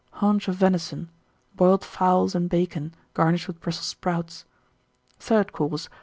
Haunch of Venison. Boiled Fowls and Bacon, garnished with Brussels Sprouts. THIRD COURSE.